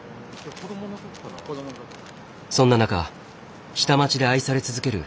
そんな中下町で愛され続ける